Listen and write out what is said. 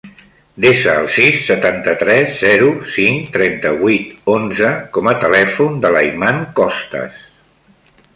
Desa el sis, setanta-tres, zero, cinc, trenta-vuit, onze com a telèfon de l'Ayman Costas.